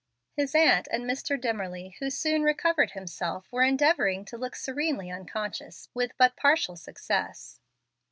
His aunt and Mr. Dimmerly, who soon recovered himself, were endeavoring to look serenely unconscious, with but partial success.